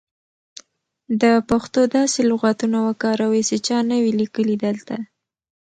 د پښتو داسې لغاتونه وکاروئ سی چا نه وې لیکلي دلته.